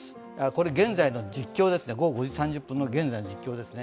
これ現在の実況です、午後５時３０分の実況です。